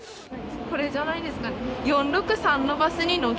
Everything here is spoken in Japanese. これじゃないですかね。